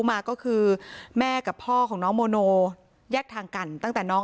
มาก็คือแม่กับพ่อของน้องโมโนแยกทางกันตั้งแต่น้อง